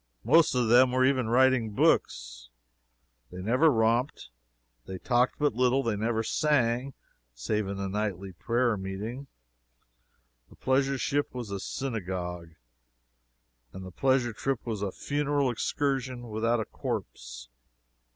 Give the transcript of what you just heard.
most of them were even writing books. They never romped, they talked but little, they never sang, save in the nightly prayer meeting. The pleasure ship was a synagogue, and the pleasure trip was a funeral excursion without a corpse.